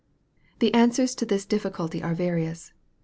The answers to this difficulty are various.